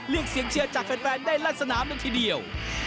เรียกเสียงเชื่อจากแฟนได้รัดสนามนั้นทีเดียว